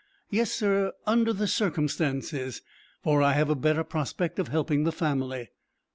"Yes, sir, under the circumstances, for I have a better prospect of helping the family."